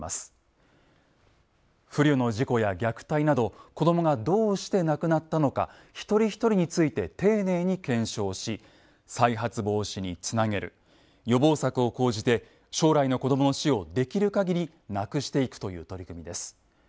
不慮の事故や虐待など子どもがどうして亡くなったのか一人一人について丁寧に検証し再発防止につなげる予防策を講じて将来の子どもの死をできる限りなくしていくという取り組みです。